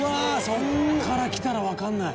「そこから来たらわかんない。